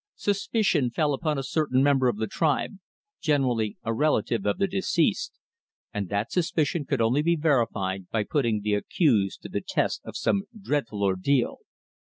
Suspicion fell upon a certain member of the tribe, generally a relative of the deceased, and that suspicion could only be verified by putting the accused to the test of some dreadful ordeal.